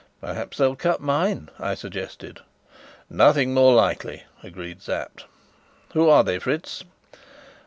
"Perhaps they'll cut mine," I suggested. "Nothing more likely," agreed Sapt. "Who are here, Fritz?"